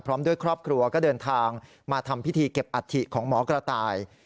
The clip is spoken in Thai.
พร้อมด้วยครอบครัวก็เดินทางมาทำพิธีเก็บอัฐิของหมอกระต่าย